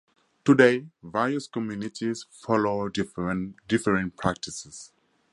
Today, various communities follow differing practices.